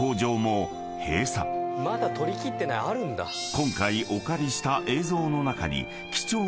［今回お借りした映像の中に貴重な］